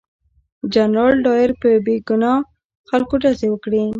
جنرال ډایر په بې ګناه خلکو ډزې وکړې.